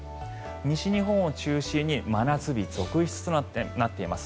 西日本を中心に真夏日続出となっています。